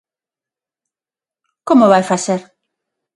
Como o vai facer?